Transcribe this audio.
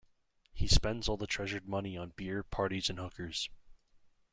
He spends all the treasured money on beer, parties and hookers.